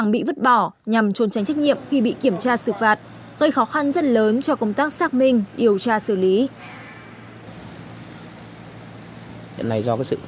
bỏ nhằm trốn tránh trách nhiệm khi bị kiểm tra sự phạt gây khó khăn rất lớn cho công tác xác minh điều tra xử lý